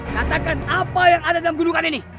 katakan apa yang ada dalam gunungan ini